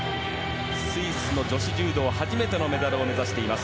スイスの女子柔道初めてのメダルを目指しています。